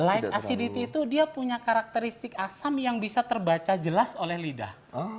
light acidity itu dia punya karakteristik asam yang bisa terbaca jelas oleh lidah